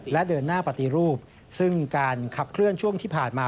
และเดินหน้าปฏิรูปซึ่งการขับเคลื่อนช่วงที่ผ่านมา